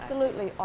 jadi tentu saja